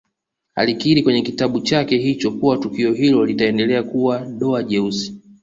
Alikiri kwenye kitabu chake hicho kuwa tukio hilo litaendelea kuwa doa jeusi